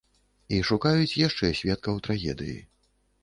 І шукаюць яшчэ сведкаў трагедыі.